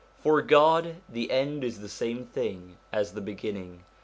For God, the end is the same thing as the beginning.